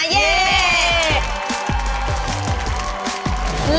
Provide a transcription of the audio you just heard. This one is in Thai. เรียบร้อยครับเย้